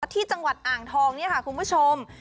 ที่จังหวัดอ่างทองนี้คุณผู้ชม